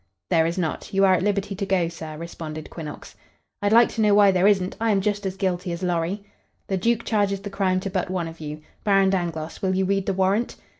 "There is not. You are at liberty to go, sir," responded Quinnox. "I'd like to know why there isn't. I am just as guilty as Lorry." "The Duke charges the crime to but one of you. Baron Dangloss, will you read the warrant?"